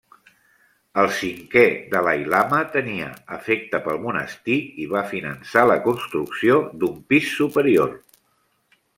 El cinquè Dalai-lama tenia afecte pel monestir i va finançar la construcció d'un pis superior.